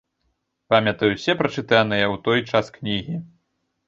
Памятаю ўсе прачытаныя ў той час кнігі.